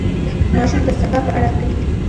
ماشوم د سبا په اړه فکر کوي.